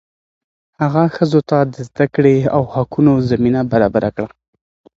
هغه ښځو ته د زده کړې او حقونو زمینه برابره کړه.